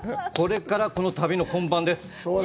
これから、この旅の本番です！